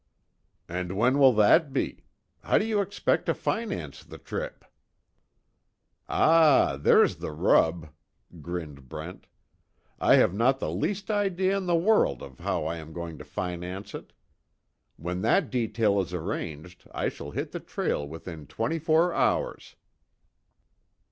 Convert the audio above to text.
"And when will that be? How do you expect to finance the trip?" "Ah, there's the rub," grinned Brent, "I have not the least idea in the world of how I am going to finance it. When that detail is arranged, I shall hit the trail within twenty four hours."